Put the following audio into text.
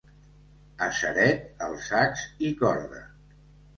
A Ceret, els sacs i corda.